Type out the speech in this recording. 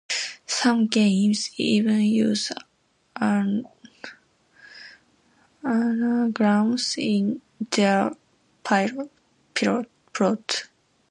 Some games even use anagrams in their plot.